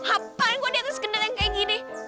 apaan gua di atas kendaraan kayak gini